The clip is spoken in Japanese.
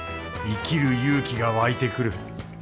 生きる勇気が湧いてくる。